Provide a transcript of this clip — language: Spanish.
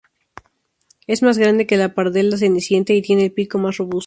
Es más grande que la pardela cenicienta y tiene el pico más robusto.